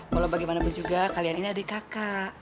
walau bagaimanapun juga kalian ini adik kakak